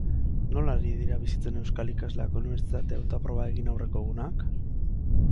Nola ari dira bizitzen euskal ikasleak unibertsitate hautaproba egin aurreko egunak?